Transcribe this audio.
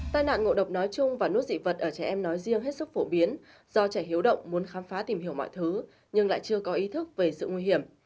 tai nạn ngộ độc nói chung và nốt dị vật ở trẻ em nói riêng hết sức phổ biến do trẻ hiếu động muốn khám phá tìm hiểu mọi thứ nhưng lại chưa có ý thức về sự nguy hiểm